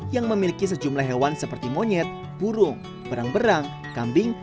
yang memiliki sejumlah hewan seperti monyet burung berang berang kambing